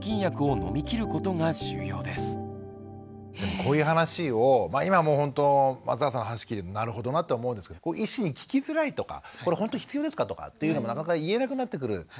こういう話を今もうほんと松永さんの話聞いてなるほどなって思うんですけど医師に聞きづらいとか「これほんと必要ですか？」とかっていうのもなかなか言えなくなってくる。